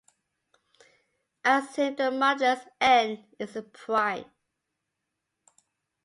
Assume the modulus "N" is a prime.